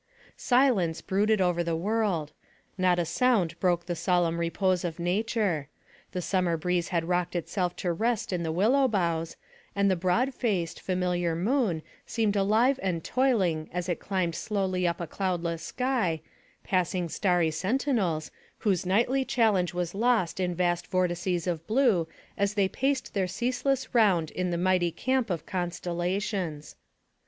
Silence brooded over the world ; not a sound broke the solemn repose of nature; the summer breeze had rocked itself to rest in the willow boughs, and the broad faced, familiar moon seemed alive and toiling as it climbed slowly up a cloudless sky, passing starry sentinels, whose nightly challenge was lost in vast vor tices of blue as they paced their ceaseless round in the mighty camp of constellations.